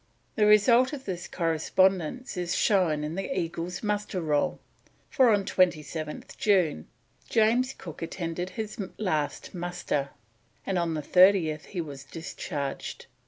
The result of this correspondence is shown in the Eagle's muster roll, for on 27th June James Cook attended his last muster, and on the 30th he was discharged.